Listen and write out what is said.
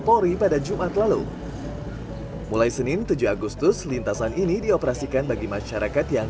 polri pada jumat lalu mulai senin tujuh agustus lintasan ini dioperasikan bagi masyarakat yang